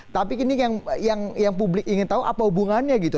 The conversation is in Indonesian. tapi ini yang publik ingin tahu apa hubungannya gitu